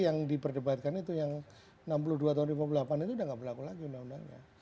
yang diperdebatkan itu yang enam puluh dua tahun lima puluh delapan itu udah gak berlaku lagi undang undangnya